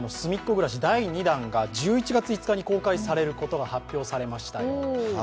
ぐらし第２弾が１１月５日に公開されることが発表されました。